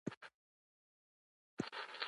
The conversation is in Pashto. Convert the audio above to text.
دغه بنسټي ځانګړنې کاواکه شوې.